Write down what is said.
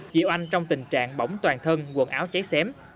chị oanh trong tình trạng bỏng toàn thân quần áo cháy xém